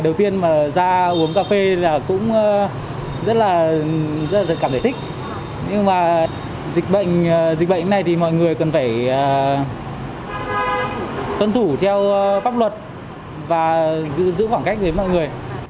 tôi rất là cảm thấy thích nhưng mà dịch bệnh này mọi người cần phải tuân thủ theo pháp luật và giữ khoảng cách với mọi người